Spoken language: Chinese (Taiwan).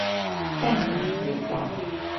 淡蘭古道